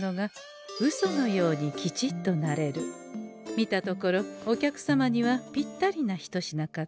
見たところお客様にはぴったりな一品かと。